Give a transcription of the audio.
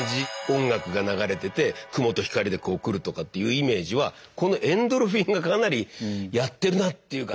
音楽が流れてて雲と光でこう来るとかっていうイメージはこのエンドルフィンがかなりやってるなっていう感じありますよね。